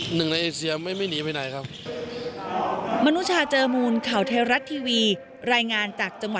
หนึ่งในเอเซียไม่หนีไปไหนครับ